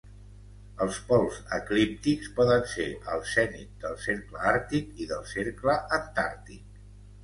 Els pols eclíptics poden ser al zenit del Cercle Àrtic i del Cercle Antàrtic.